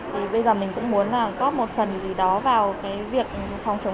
bây giờ mình cũng muốn có một phần gì đó vào việc phòng chống dịch ở việt nam